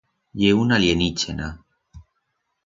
Ye un alienichena.